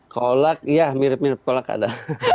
kolak ya mirip mirip kolak ada